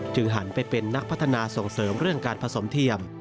หันไปเป็นนักพัฒนาส่งเสริมเรื่องการผสมเทียม